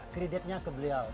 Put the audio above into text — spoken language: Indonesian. kreditnya ke beliau